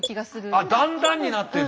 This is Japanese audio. あっ段々になってる。